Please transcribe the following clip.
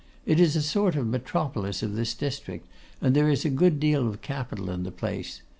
It is a sort of metropolis of this district, and there is a good deal of capital in the place.